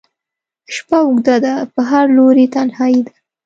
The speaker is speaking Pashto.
شپه اوږده ده په هر لوري تنهایي ده